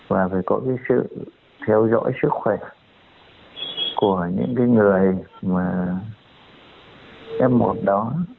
và phải có sự theo dõi sức khỏe của những người f một đó